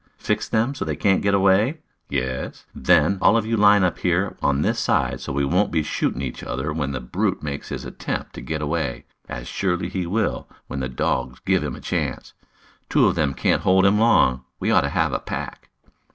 "Fix them so they can't get away?" "Yes." "Then all of you line up here on this side so we won't be shooting each other when the brute makes his attempt at a get away, as he surely will, when the dogs give him a chance. Two of them can't hold him long. We ought to have a pack."